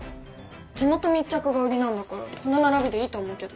地元密着が売りなんだからこの並びでいいと思うけど。